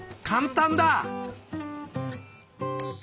簡単だ！